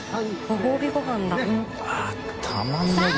ご褒美ごはんだ。